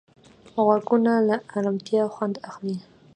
غوږونه له ارامتیا خوند اخلي